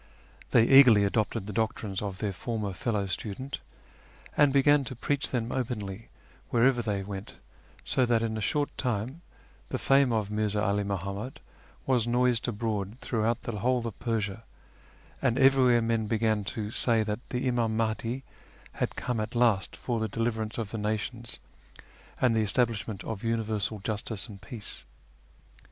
They eagerly adopted the doctrines of their former fellow student, and began to preach them openly wherever they went, so that in a short time the fame of Mi'rza 'All Muhammad was noised abroad throughout the whole of Persia, and everywhere men began to say that the Imam Mahdi had come at last for the deliverance 6o .; YEAR AMONGST THE PERSIANS of the nations ami the establishment, of universal justice ami peace.